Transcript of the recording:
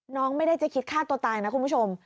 น้องไม่ได้จะคิดฆ่าตัวตายนะคุณผู้ชม